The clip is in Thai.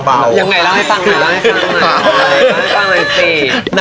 ยังไงล่ะให้ฟังก่อนรันให้ฟังก่อนแล้วรับไว้